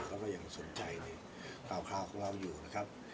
เขาอย่างสนใจสี่คราวคราวของคราวอยู่นะครับ